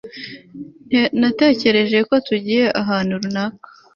natekereje ko tugiye ahantu runaka